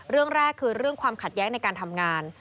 เรื่องแรกคือเรื่องความขัดแย้งในการทำงาน